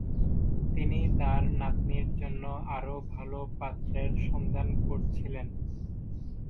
তিনি তার নাতনীর জন্য আরও ভালো পাত্রের সন্ধান করছিলেন।